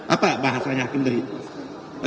apa bahasanya hakim dari itu